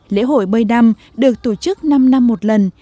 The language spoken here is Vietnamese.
lễ hội bơi đam được tổ chức năm năm một lần